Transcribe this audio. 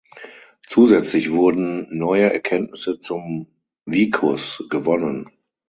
Zusätzlich wurden neue Erkenntnisse zum "Vicus" gewonnen.